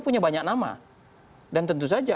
punya banyak nama dan tentu saja